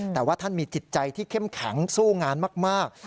แต่ว่าท่านมีจิตใจที่เข้มแข็งสู้งานมาก